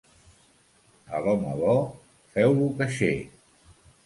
A l'home bo feu-lo caixer.